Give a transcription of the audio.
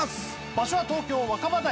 場所は東京若葉台。